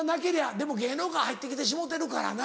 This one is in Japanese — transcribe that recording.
でも芸能界入って来てしもうてるからな。